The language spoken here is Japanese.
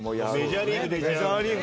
『メジャーリーグ』。